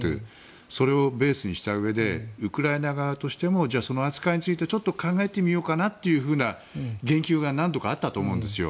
それをベースにしたうえでウクライナ側としてもその扱いについてちょっと考えてみようかなという言及が何度かあったと思うんですよ。